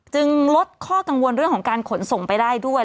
ลดข้อกังวลเรื่องของการขนส่งไปได้ด้วย